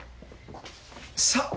さあ。